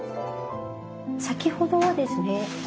先ほどはですね